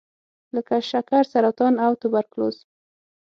لکه شکر، سرطان او توبرکلوز.